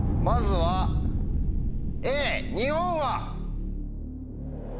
まずはＡ日本は？